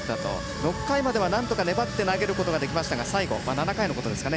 ６回まではなんとか粘って投げることができましたが最後７回のことですかね。